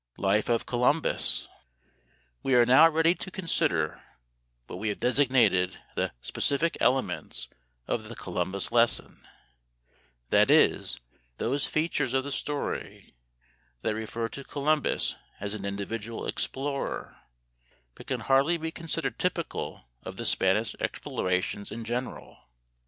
Life of Columbus. We are now ready to consider what we have designated the "specific elements" of the Columbus lesson; that is, those features of the story that refer to Columbus as an individual explorer, but can hardly be considered typical of the Spanish explorations in general.